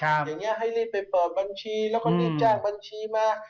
อย่างนี้ให้รีบไปเปิดบัญชีแล้วก็รีบจ้างบัญชีมา